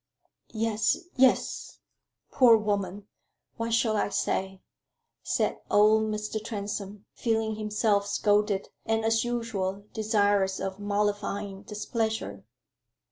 "Yes, yes poor woman what shall I say?" said old Mr. Transome, feeling himself scolded, and, as usual, desirous of mollifying displeasure.